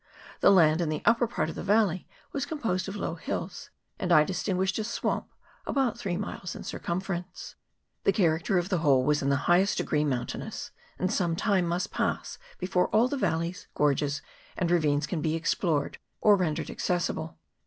The land in the upper part of the valley was composed of low hills, and I distinguished a swamp about three miles in circumference. The character of the CHAP. III.] ROADS. 89 whole was in the highest degree mountainous, and some time must pass before all the valleys, gorges, and ravines can be explored, or rendered accessible.